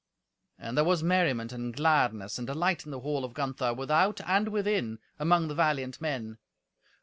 And there was merriment and gladness and delight in the hall of Gunther, without and within, among the valiant men.